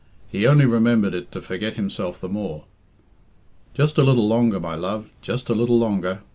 He only remembered it to forget himself the more. "Just a little longer, my love, just a little longer.